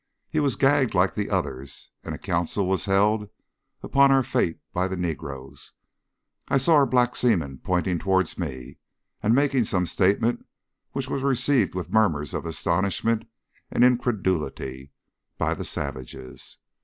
He was gagged like the others, and a council was held upon our fate by the negroes. I saw our black seamen pointing towards me and making some statement, which was received with murmurs of astonishment and incredulity by the savages.